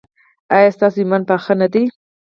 ایا ستاسو ایمان پاخه نه دی؟